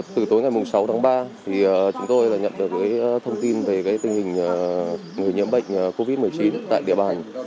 từ tối ngày sáu tháng ba chúng tôi đã nhận được thông tin về tình hình người nhiễm bệnh covid một mươi chín tại địa bàn